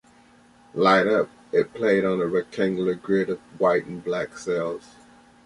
"Light Up" is played on a rectangular grid of white and black cells.